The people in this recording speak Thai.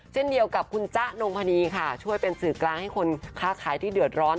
เช่นเดียวกับคุณจ๊ะนงพนีค่ะช่วยเป็นสื่อกลางให้คนค้าขายที่เดือดร้อน